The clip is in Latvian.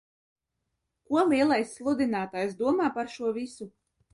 Ko Lielais sludinātājs domā par šo visu?